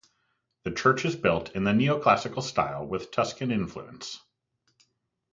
The church is built in the Neoclassical style with Tuscan influence.